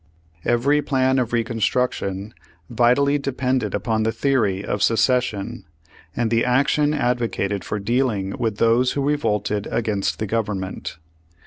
Every plan of Reconstruction vitally depended upon the theory of secession, and the action ad vocated for dealing with those who revolted against the Government.